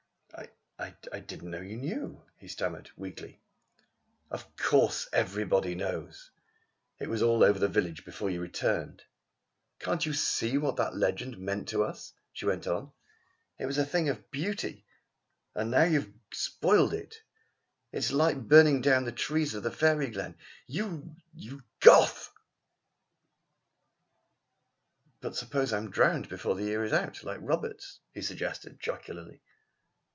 "I I didn't know you knew," he stammered weakly. "Of course everybody knows! It was all over the village before you returned. "Can't you see what that legend meant to us?" she went on. "It was a thing of beauty. And now you have spoilt it. It's like burning down the trees of the Fairy Glen. You you Goth!" "But suppose I am drowned before the year is out like Roberts?" he suggested jocularly.